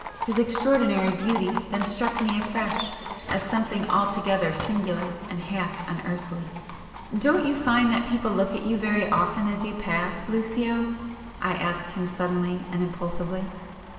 His extraordinary beauty then struck me afresh as something altogether singular and half unearthly. "Don't you find that people look at you very often as you pass, Lucio?" I asked him suddenly and impulsively.